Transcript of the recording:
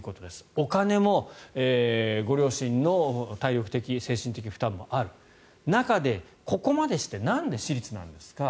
お金も、ご両親の体力的・精神的負担もある中でここまでしてなんで私立なんですか。